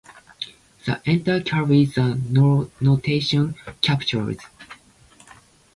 The entry carries the notation "Captured".